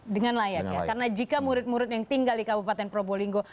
dengan layak ya karena jika murid murid yang tinggal di kabupaten probolinggo